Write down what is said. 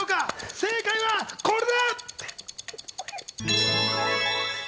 正解はこれだ！